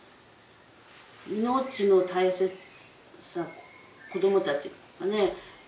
命の大切さと子どもたちとかね。